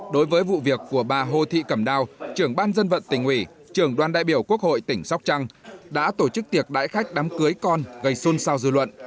đối với vụ việc của bà hô thị cẩm đao trưởng ban dân vận tỉnh ủy trưởng đoàn đại biểu quốc hội tỉnh sóc trăng đã tổ chức tiệc đại khách đám cưới con gây xôn xao dư luận